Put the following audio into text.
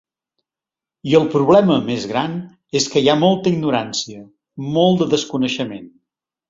I el problema més gran és que hi ha molta ignorància, molt de desconeixement.